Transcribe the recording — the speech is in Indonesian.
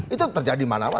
itu terjadi mana pak